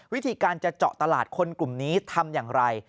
วิธีการจะเจาะตลาดคนกลุ่มนี้ทำอย่างไร